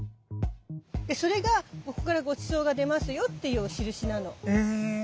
それがここからごちそうが出ますよっていうお印なの。へ。